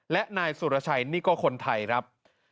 และนายสุรชัยนี่ก็คนไทยครับ